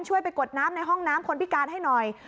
ช่วยไปกดน้ำในห้องน้ำคนพิการให้หน่อย